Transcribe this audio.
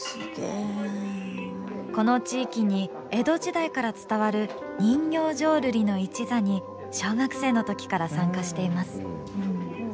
この地域に江戸時代から伝わる人形浄瑠璃の一座に小学生のときから参加しています。